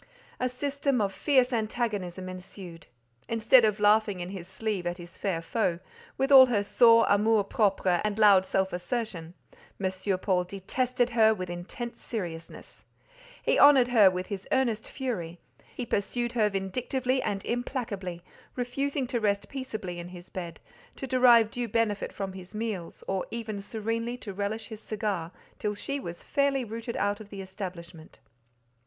A system of fierce antagonism ensued. Instead of laughing in his sleeve at his fair foe, with all her sore amour propre and loud self assertion, M. Paul detested her with intense seriousness; he honoured her with his earnest fury; he pursued her vindictively and implacably, refusing to rest peaceably in his bed, to derive due benefit from his meals, or even serenely to relish his cigar, till she was fairly rooted out of the establishment.